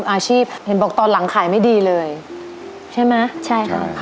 อาชีพเห็นบอกตอนหลังขายไม่ดีเลยใช่ไหมใช่ค่ะ